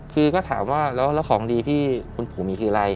คือก็ถามว่าแล้วของดีที่คุณปู่มีคืออะไร